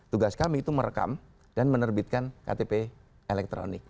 tugas kami itu merekam dan menerbitkan ktp elektronik